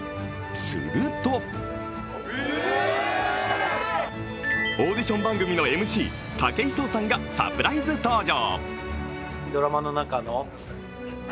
するとオーディション番組のＭＣ、武井壮さんがサプライズ登場。